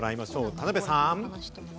田辺さん。